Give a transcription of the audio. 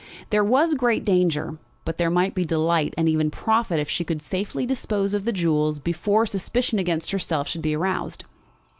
There was great danger, but there might be delight and even profit if she could safely dispose of the jewels before suspicion against herself should be aroused.